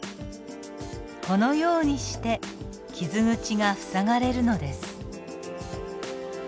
このようにして傷口が塞がれるのです。